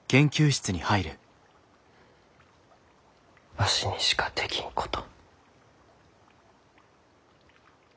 わしにしかできんこと。